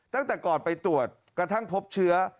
ตั้งแต่ก่อนไปตรวจกระทั่งพบเชื้อ